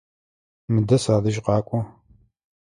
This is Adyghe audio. Мыдэ садэжь къакӏо!